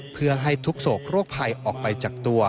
เพื่อให้ทุกโศกโรคภัยออกไปจากตัว